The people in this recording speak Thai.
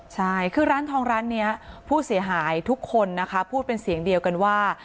ใช่คือร้านทองร้านนี้ผู้เสียหายทุกคนนะคะพูดเป็นเสียงเดียวกันว่า